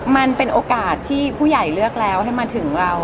มันเป็นโอกาสที่ผู้ใหญ่เลือกแล้วให้มาถึงเรา